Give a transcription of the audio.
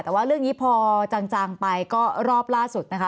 แต่ว่าเรื่องนี้พอจางไปก็รอบล่าสุดนะคะ